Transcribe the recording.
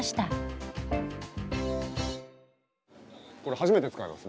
これ初めて使います。